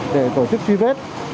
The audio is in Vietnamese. để tổ chức truy vết